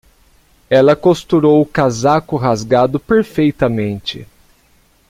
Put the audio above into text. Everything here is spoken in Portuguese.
Ela costurou o casaco rasgado perfeitamente.